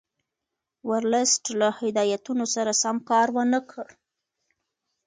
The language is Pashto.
ورلسټ له هدایتونو سره سم کار ونه کړ.